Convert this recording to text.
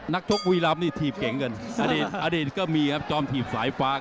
นักชกบุรีลำนี่ถีบเก่งกันอดีตก็มีครับจอมถีบสายฟ้าครับ